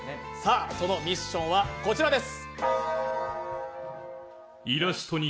そのミッションはこちらです。